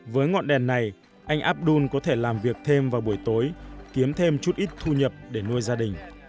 với ngọn đèn này anh abdul có thể làm việc thêm vào buổi tối kiếm kiếm thêm chút ít thu nhập để nuôi gia đình